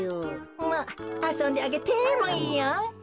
まああそんであげてもいいよ。